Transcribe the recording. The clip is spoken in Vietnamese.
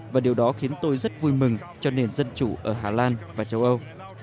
và điều đó khiến tôi rất vui mừng cho nền dân chủ ở hà lan và châu âu